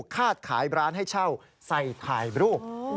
คาดขายร้านให้เช่าใส่ถ่ายรูป